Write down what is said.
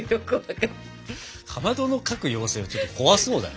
かまどの描く妖精はちょっと怖そうだな。